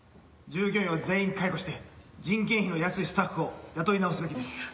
従業員を全員解雇して人件費の安いスタッフを雇い直すべきです。